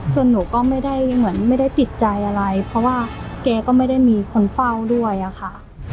ส่วนหนูก็ไม่ได้เหมือนไม่ได้ติดใจอะไรเพราะว่าแกก็ไม่ได้มีคนเฝ้าด้วยอะค่ะ